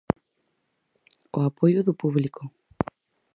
O apoio do público.